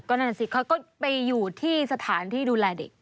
นั่นสิเขาก็ไปอยู่ที่สถานที่ดูแลเด็ก